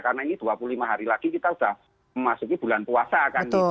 karena ini dua puluh lima hari lagi kita sudah memasuki bulan puasa kan gitu